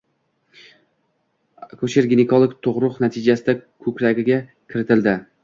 Akusher-ginekolog tug'ruq natijasida ko'kragiga kiritildi